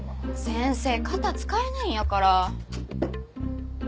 先生肩使えないんやから。